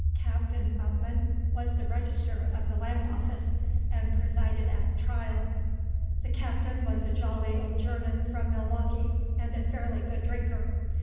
Captain Upman was the register of the land office, and presided at the trial. The captain was a jolly old German from Milwaukee, and a fairly good drinker.